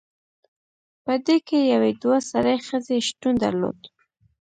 پدې کې یوې دوه سرې ښځې شتون درلود